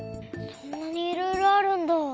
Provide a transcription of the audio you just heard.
そんなにいろいろあるんだ。